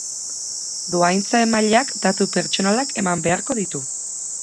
Dohaintza-emaileak datu pertsonalak eman beharko ditu.